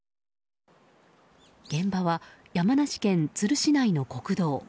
現場は山梨県都留市内の国道。